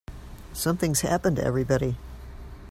Something's happened to everybody.